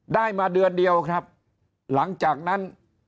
ได้มาเดือนเดียวครับหลังจากนั้น